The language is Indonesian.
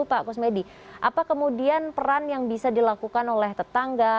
pak kusmedi apa kemudian peran yang bisa dilakukan oleh tetangga